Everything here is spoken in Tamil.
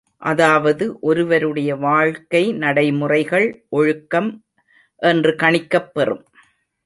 அதாவது ஒருவருடைய வாழ்க்கை நடைமுறைகள் ஒழுக்கம் என்று கணிக்கப்பெறும்.